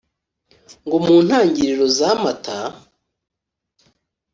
ngo mu ntangiriro za Mata